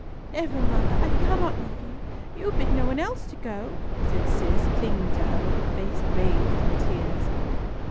"Never, mother, I cannot leave you. You bid no one else to go!" said Cis, clinging to her with a face bathed in tears.